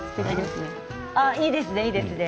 いいですね、いいですね。